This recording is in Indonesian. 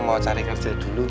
mau cari kerja dulu